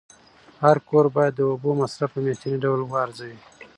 هر کور باید د اوبو مصرف په میاشتني ډول وارزوي.